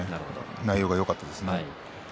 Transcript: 内容がよかったですね。